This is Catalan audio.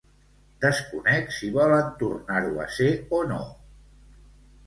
Desconec si volen tornar-ho a ser o no.